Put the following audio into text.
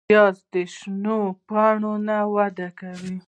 پیاز د شنو پاڼو نه وده کوي